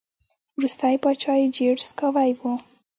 وروستی پاچا یې جیډ سکای و